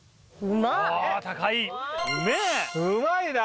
うまいな！